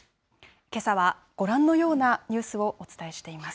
けさはご覧のようなニュースをお伝えしています。